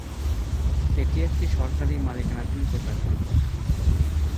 এটি একটি সরকারী মালিকানাধীন প্রকাশনা।